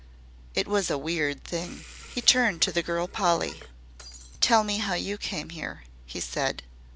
It was a weird thing. He turned to the girl Polly. "Tell me how you came here," he said.